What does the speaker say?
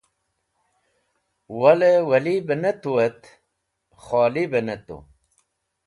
Wale, Wali be ne tu et kholi be ney tu.